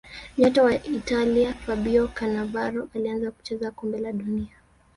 nyota wa italia fabio canavaro alianza kucheza kombe la dunia